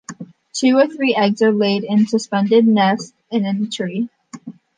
Two or three eggs are laid in a suspended nest in a tree.